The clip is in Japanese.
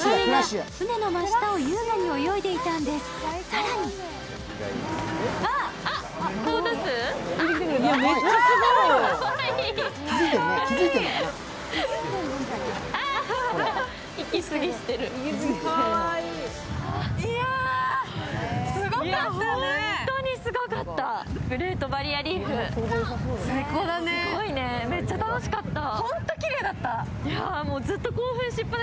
更にめっちゃ楽しかった。